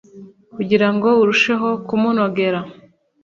kugirango irusheho kumunogera